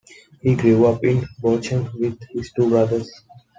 He grew up in Bochum with his two brothers.